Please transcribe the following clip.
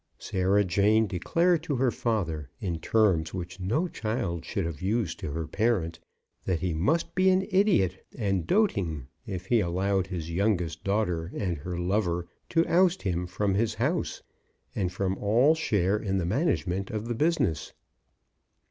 Sarah Jane declared to her father, in terms which no child should have used to her parent, that he must be an idiot and doting if he allowed his youngest daughter and her lover to oust him from his house and from all share in the management of the business.